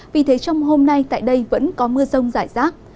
vì thế trong hôm nay tại đây vẫn có mưa rông rải rác